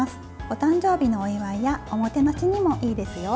お誕生日のお祝いやおもてなしにもいいですよ。